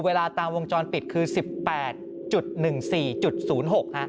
เวลาตามวงจรปิดคือสิบแปดจุดหนึ่งสี่จุดศูนย์หกฮะ